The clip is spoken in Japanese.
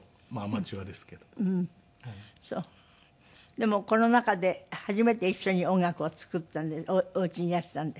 でもコロナ禍で初めて一緒に音楽を作ったんでお家にいらしたんで。